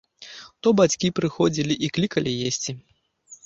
То бацькі прыходзілі і клікалі есці.